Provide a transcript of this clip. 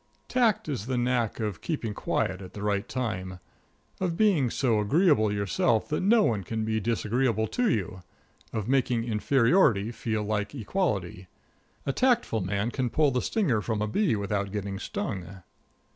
Tact is the knack of keeping quiet at the right time; of being so agreeable yourself that no one can be disagreeable to you; of making inferiority feel like equality. A tactful man can pull the stinger from a bee without getting stung.